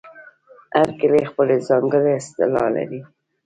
هر کلی خپله ځانګړې اصطلاح لري.